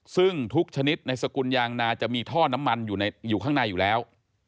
ซึ่งทุกชนิดในสกุลยางนาจะมีท่อน้ำมันอยู่ข้างในอยู่แล้ว